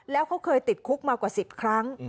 แล้วเขาเคยติดคุกมากว่า๑๐ครั้ง